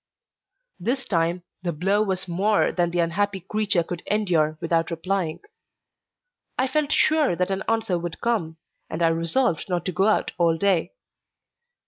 This time the blow was more than the unhappy creature could endure without replying. I felt sure that an answer would come, and I resolved not to go out all day.